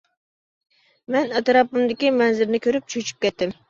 مەن ئەتراپىمدىكى مەنزىرىنى كۆرۈپ چۈچۈپ كەتتىم.